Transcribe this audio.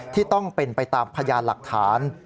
ที่ต้องเป็นไปตามพยานหลักฐาน